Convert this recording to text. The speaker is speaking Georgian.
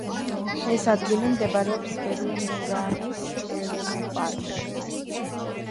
ეს ადგილი მდებარეობს ვურუნურანის ეროვნულ პარკში.